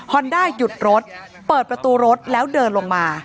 อนด้าหยุดรถเปิดประตูรถแล้วเดินลงมา